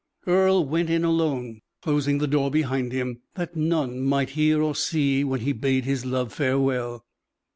Earle went in alone, closing the door behind him, that none might hear or see when he bade his love farewell.